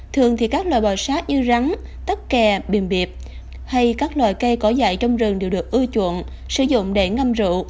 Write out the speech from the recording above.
thường thì các loại bò sát như rắn tắc kè bìm biệp hay các loại cây cỏ dại trong rừng đều được ưu chuộng sử dụng để ngâm rượu